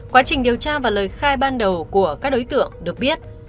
quá trình điều tra và lời khai ban đầu của các đối tượng được biết